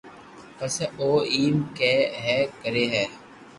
پسي او ايم اي ڪري ھي